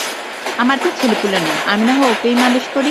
আমার তো ছেলেপুলে নেই, আমি নাহয় ওকেই মানুষ করি।